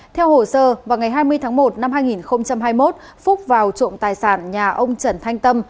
theo hồ sơ vào ngày hai mươi tháng một năm hai nghìn hai mươi một phúc vào trộm tài sản nhà ông trần thanh tâm